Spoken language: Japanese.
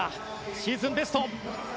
シーズンベスト！